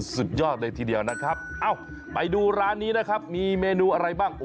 สุดยอดเลยทีเดียวนะครับเอ้าไปดูร้านนี้นะครับมีเมนูอะไรบ้าง